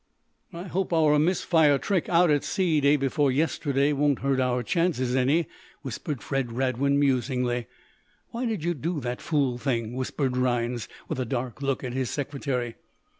"I hope our miss fire trick, out at sea day before yesterday, won't hurt our chances any," whispered Fred Radwin, musingly. "Why did you do that fool thing?" whispered Rhinds, with a dark look at his secretary.